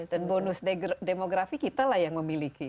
dan bonus demografi kita lah yang memiliki